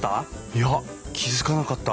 いや気付かなかった。